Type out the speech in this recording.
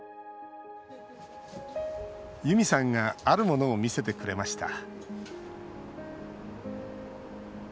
ユミさんがあるものを見せてくれました